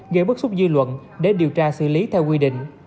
gây bức xúc dư luận để điều tra xử lý theo quy định